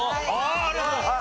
ありがとうございます。